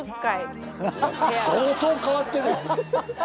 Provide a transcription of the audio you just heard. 相当変わってるよ